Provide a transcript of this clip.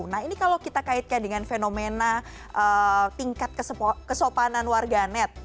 nah ini kalau kita kaitkan dengan fenomena tingkat kesopanan warganet